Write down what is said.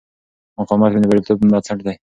مقاومت مې د بریالیتوب بنسټ دی.